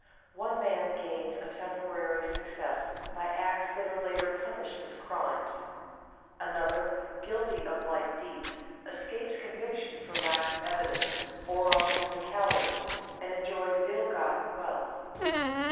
One man gains a temporary success by acts that are later punished as crimes; another, guilty of like deeds, escapes conviction for lack of evidence or on technicalities, and enjoys ill gotten wealth.